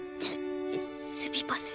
すすみません。